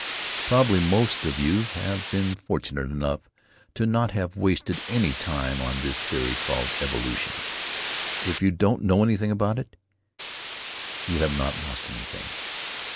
Probably most of you have been fortunate enough to not have wasted any time on this theory called 'evolution.' If you don't know anything about it you have not lost anything.